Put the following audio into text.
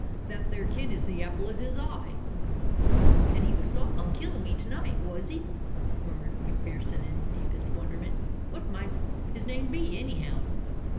That there kid is the apple of his eye." "An' he was sot on killin' me to night, was he?" murmured MacPherson in deepest wonderment. "What might his name be, anyhow?"